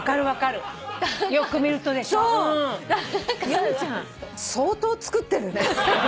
由美ちゃん相当作ってるね。